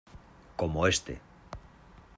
como este.